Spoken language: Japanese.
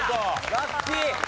ラッキー！